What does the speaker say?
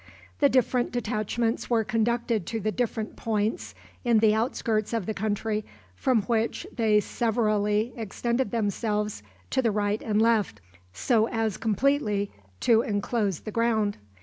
The different detachments were conducted to the different points in the outskirts of the country, from which they severally extended themselves to the right and left, so as completely to inclose the ground.